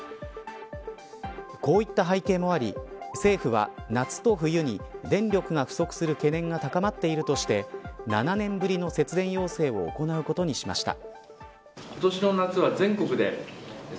こういった背景もあり政府は、夏と冬に電力が不足する懸念が高まっているとして７年ぶりの節電要請を行うことにしました。